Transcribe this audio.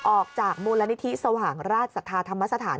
ออกจากมูลนิธิสว่างราชศรัทธาธรรมสถาน